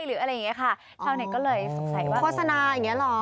ก็เลยสงสัยว่าโฟสนาอย่างนี้หรอ